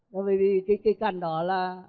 bởi vì cái cằn đó là